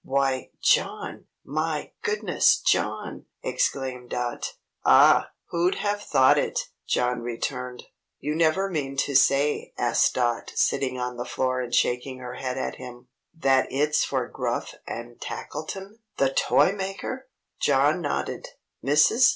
"Why, John! My goodness, John!" exclaimed Dot. "Ah! Who'd have thought it!" John returned. "You never mean to say," asked Dot, sitting on the floor and shaking her head at him, "that it's for Gruff and Tackleton, the toy maker!" John nodded. Mrs.